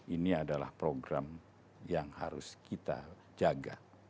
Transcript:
ini adalah program yang harus kita jaga